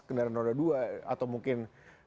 kendaraan roda dua atau mungkin